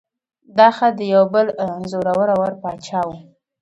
دا خط د یو بل زوره ور باچا و.